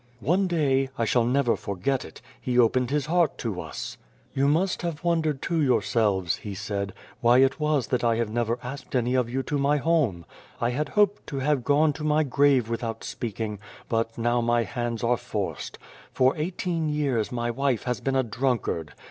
" One day (I shall never forget it) he opened his heart to us. "' You must have wondered to yourselves,' in The Face he said, ' why it was that I have never asked any of you to my home. I had hoped to have gone to my grave without speaking, but now my hands are forced. For eighteen years my wife has been a drunkard.